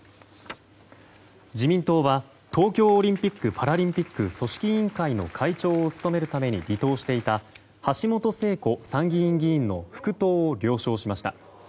自民党は東京オリンピック・パラリンピック組織委員会の会長を務めるために離党していた橋本聖子参議院議員の復党を了承しました。